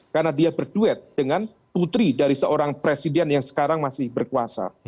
karena dia berduet dengan putri dari seorang presiden yang sekarang masih berkuasa